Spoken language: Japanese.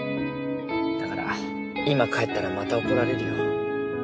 だから今帰ったらまた怒られるよ。